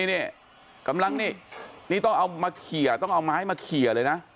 นี่กำลังนี่ต้องเอาไม้มาเขียเลยนะ